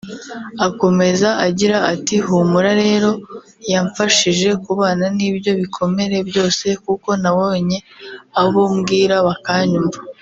Akomeza agira ati « Humura rero yamfashije kubana n’ibyo bikomere byose kuko nabonye abo mbwira bakanyumva